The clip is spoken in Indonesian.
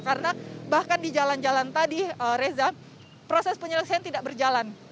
karena bahkan di jalan jalan tadi reza proses penyeleksian tidak berjalan